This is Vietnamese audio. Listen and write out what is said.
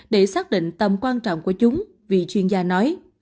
để xác định tầm quan trọng của chúng vì chuyên gia nói